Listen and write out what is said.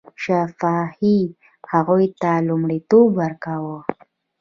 شفاهي هغو ته لومړیتوب ورکاوه.